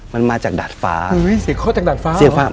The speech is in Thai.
มันมาจากดาดฟ้าเสียงเคาะจากดาดฟ้าหรอ